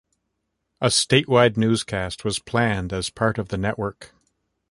A statewide newscast was planned as part of the network.